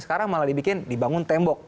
sekarang malah dibikin dibangun tembok